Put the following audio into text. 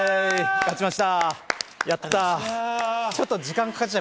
勝ちました！